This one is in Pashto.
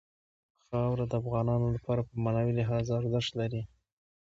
خاوره د افغانانو لپاره په معنوي لحاظ ارزښت لري.